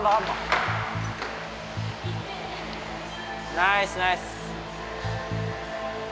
ナイスナイス！